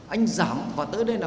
anh giảm và tới đây là